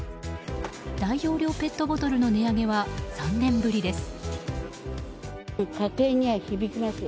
大容量ペットボトルの値上げは３年ぶりです。